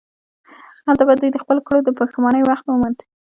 هلته به دوی د خپلو کړو د پښیمانۍ وخت موند.